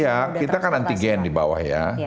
ya kita kan antigen di bawah ya